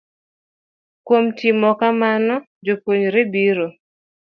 Kuom timo kamano, jopuonjre biro